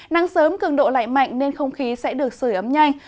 nắng sớm cường độ lại mạnh nên không khí sẽ được sửa ấm nhanh